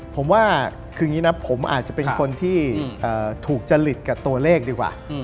ผมว่าคืออย่างนี้นะผมอาจจะเป็นคนที่ถูกจริตกับตัวเลขดีกว่า